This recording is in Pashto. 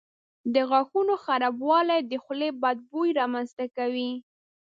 د غاښونو خرابوالی د خولې بد بوی رامنځته کوي.